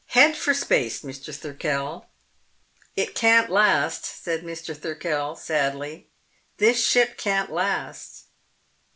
"Head for space, Mr. Thirkell." "It can't last," said Mr. Thirkell, sadly. "This ship can't last.